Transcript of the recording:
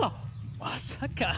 まさか。